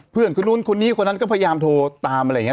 เพื่อนคนนู้นคนนี้คนนั้นก็พยายามโทรตามอะไรอย่างนี้